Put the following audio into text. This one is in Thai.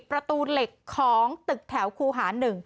ประตูเหล็กของตึกแถวคูหา๑